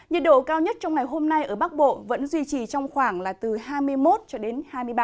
nhiệt độ cao nhất trong ngày hôm nay ở bắc bộ vẫn duy trì trong khoảng là từ hai mươi một cho đến hai mươi ba độ